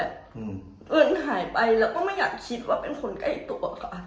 เงินหายไปแล้วก็ไม่อยากคิดว่าเป็นคนใกล้ตัวค่ะ